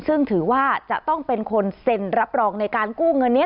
ซึ่งถือว่าจะต้องเป็นคนเซ็นรับรองในการกู้เงินนี้